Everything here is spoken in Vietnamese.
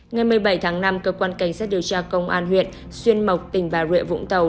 ngày một mươi bảy tháng năm cơ quan cảnh sát điều tra công an huyện xuyên mộc tỉnh bà rịa vũng tàu